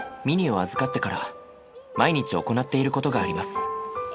ミニを預かってから毎日行っていることがあります。